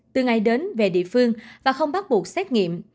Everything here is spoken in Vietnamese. từ ngày đến về địa phương và không bắt buộc xét nghiệm